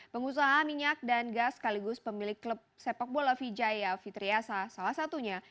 pengusaha minyak dan gas sekaligus pemilik klub sepak bola vijaya fitriasa salah satunya